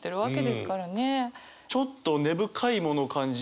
ちょっと根深いものを感じますよね。